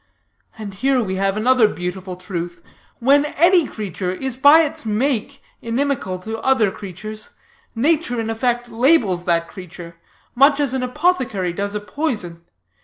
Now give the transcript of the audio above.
And here we have another beautiful truth. When any creature is by its make inimical to other creatures, nature in effect labels that creature, much as an apothecary does a poison.